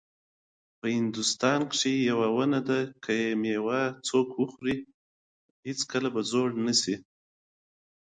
په هندوستان کې یوه ونه ده که میوه یې څوک وخوري زوړ نه شي.